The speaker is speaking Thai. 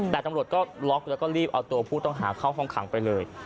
แต่ตำรวจก็ล็อกแล้วก็รีบเอาตัวผู้ต้องหาเข้าห้องขังไปเลย